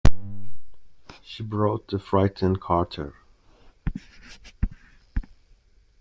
She brought the frightened carter.